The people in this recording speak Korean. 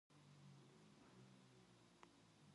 왜 내 언어가 지금도 표시되지 않는 건가요?